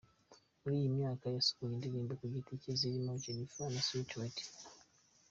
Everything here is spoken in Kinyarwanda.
Muri iyi myaka yasohoye indirimbo ku giti cye zirimo “Jennifer” na “Sweet Lady.